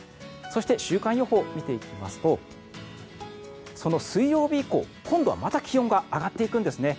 そして、週間予報を見ていきますと、その水曜日以降今度はまた気温が上がっていくんですね。